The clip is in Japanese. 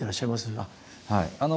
はい。